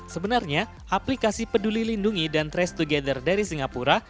sebenarnya aplikasi peduli lindungi dan trace together dari singapura